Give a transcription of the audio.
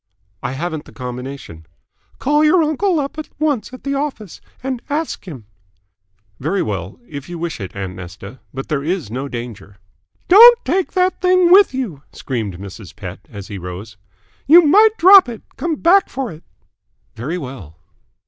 "I haven't the combination." "Call your uncle up at once at the office and ask him." "Very well. If you wish it, aunt Nesta. But there is no danger." "Don't take that thing with you," screamed Mrs. Pett, as he rose. "You might drop it. Come back for it." "Very well."